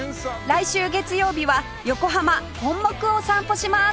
来週月曜日は横浜本牧を散歩します